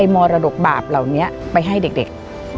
มรดกบาปเหล่านี้ไปให้เด็ก